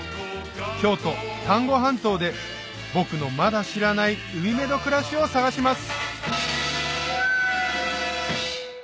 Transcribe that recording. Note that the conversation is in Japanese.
京都・丹後半島で僕のまだ知らない海辺の暮らしを探します